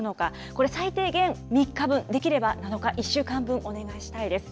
これ、最低限３日分、できれば７日、１週間分お願いしたいです。